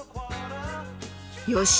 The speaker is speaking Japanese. よし！